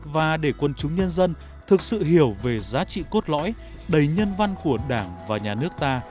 và để quân chúng nhân dân thực sự hiểu về giá trị cốt lõi đầy nhân văn của đảng và nhà nước ta